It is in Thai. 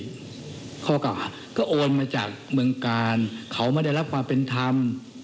ข้อเก่าหาก็โอนมาจากเมืองกาลเขาไม่ได้รับความเป็นธรรม